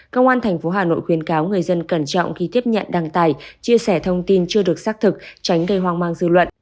công an tp hà nội khuyến cáo người dân cẩn trọng khi tiếp nhận đăng tài chia sẻ thông tin chưa được xác thực tránh gây hoang mang dư luận